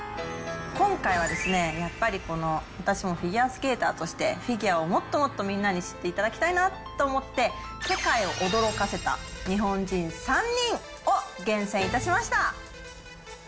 今回は、やっぱり私もフィギュアスケーターとして、フィギュアをもっともっとみんなに知っていただきたいなと思って、世界を驚かせた日本人３人を厳選いたしました。